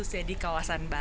nah kita akan mencoba